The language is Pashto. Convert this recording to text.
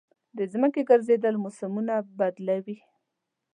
د ځمکې ګرځېدل موسمونه بدلوي.